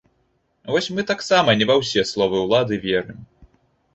Вось мы таксама не ва ўсе словы улады верым!